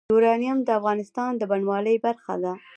یورانیم د افغانستان د بڼوالۍ برخه ده.